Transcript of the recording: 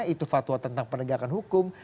itu fatwa tentang penegakan hukum